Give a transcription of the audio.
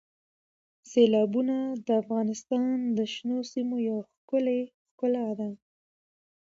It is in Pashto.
سیلابونه د افغانستان د شنو سیمو یوه ښکلې ښکلا ده.